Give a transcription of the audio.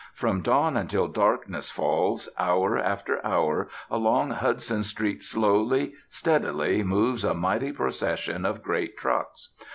From dawn until darkness falls, hour after hour, along Hudson Street slowly, steadily moves a mighty procession of great trucks.